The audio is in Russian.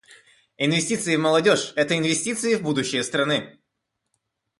Инвестиции в молодежь — это инвестиции в будущее страны.